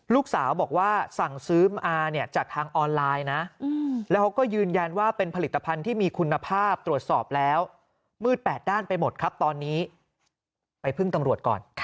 ลูกสาวบอกว่าสั่งซื้อมาเนี่ยจากทางออนไลน์นะแล้วเขาก็ยืนยันว่าเป็นผลิตภัณฑ์ที่มีคุณภาพตรวจสอบแล้วมืดแปดด้านไปหมดครับตอนนี้ไปพึ่งตำรวจก่อน